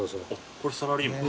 これサラリーマン。